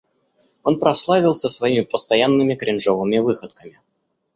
Он прославился своими постоянными кринжовыми выходками.